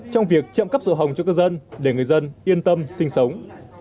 trong việc chậm cấp sổ hồng cho cơ dân để người dân yên tâm sinh sống